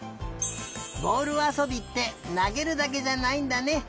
ぼおるあそびってなげるだけじゃないんだね。